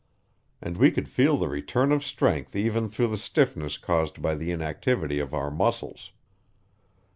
And we could feel the return of strength even through the stiffness caused by the inactivity of our muscles.